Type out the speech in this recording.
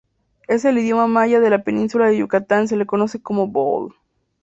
En el idioma Maya de la Península de Yucatán se le conoce como "Bo’ol".